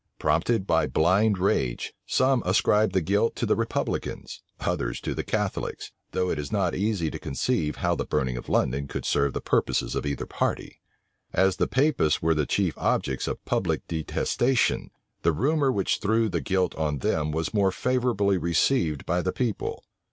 Prompted by blind rage, some ascribed the guilt to the republicans, others to the Catholics; though it is not easy to conceive how the burning of London could serve the purposes of either party. As the Papists were the chief objects of public detestation, the rumor which threw the guilt on them was more favorably received by the people.